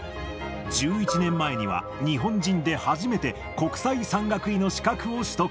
１１年前には、日本人で初めて、国際山岳医の資格を取得。